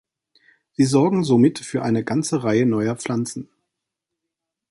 Sie sorgen somit für eine ganze Reihe neuer Pflanzen.